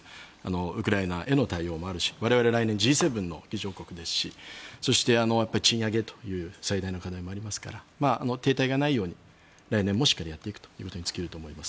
ウクライナへの対応もあるし我々は来年Ｇ７の議長国でもありますしそして賃上げという最大の課題もありますから停滞がないように来年もしっかりやっていくということに尽きると思います。